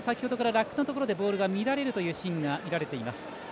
先ほどからラックのところでボールが乱れるというシーンが見られています。